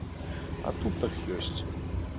А тут так ёсць.